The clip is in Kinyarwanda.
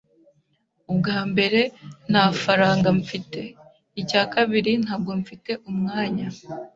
Ubwa mbere, nta faranga mfite. Icya kabiri, ntabwo mfite umwanya.